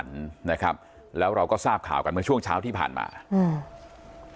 นะครับแล้วเราก็ทราบข่าวกันเมื่อช่วงเช้าที่ผ่านมาอืม